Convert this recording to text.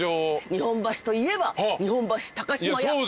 日本橋といえば日本橋高島屋。